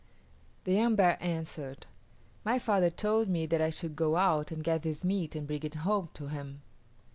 The young bear answered, "My father told me that I should go out and get this meat and bring it home to him."